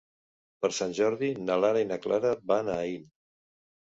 Per Sant Jordi na Lara i na Clara van a Aín.